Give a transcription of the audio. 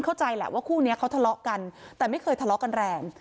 เข้าใจแหละว่าคู่นี้เขาทะเลาะกันแต่ไม่เคยทะเลาะกันแรง